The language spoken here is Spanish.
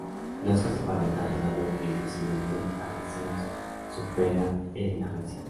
Las hojas se separan del tallo dado que el crecimiento adaxial supera el abaxial.